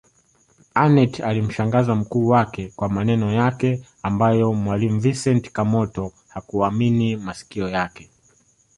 Aneth alimshangaza mkuu wake kwa maneno yake ambayo mwalimu Vincent Kamoto hakuamini masikio yake